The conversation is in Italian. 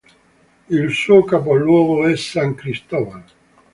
Il suo capoluogo è San Cristóbal.